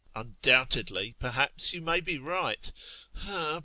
Undoubtedly, perhaps, you may be right.